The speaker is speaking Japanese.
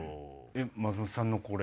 松本さんのこれ。